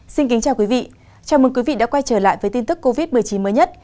xin kính chào quý vị chào mừng quý vị đã quay trở lại với tin tức covid một mươi chín mới nhất